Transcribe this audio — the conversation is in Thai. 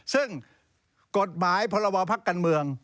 ซึ่งกฎหมายพลวงภาคการเมือง